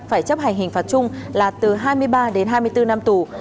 phải chấp hành hình phạt chung là từ hai mươi ba đến hai mươi bốn năm tù